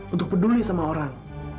untuk peduli sama orang